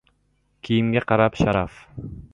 • Kiyimga qarab — sharaf.